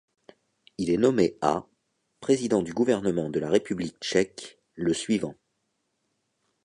Il est nommé à président du gouvernement de la République tchèque le suivant.